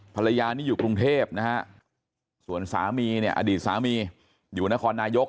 ภรรยานี่อยู่กรุงเทพนะฮะส่วนสามีเนี่ยอดีตสามีอยู่นครนายก